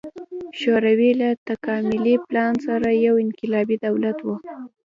شوروي له تکاملي پلان سره یو انقلابي دولت و.